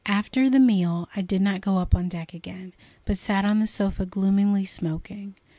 After the meal I did not go up on deck again, but sat on the sofa gloomily smoking.